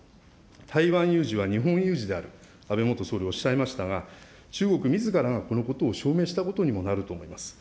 台湾有事は日本有事である、安倍元総理、おっしゃいましたが、中国みずからがこのことを証明したことにもなると思います。